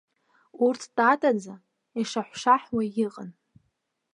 Урҭ татаӡа, ишаҳәшаҳәуа иҟан.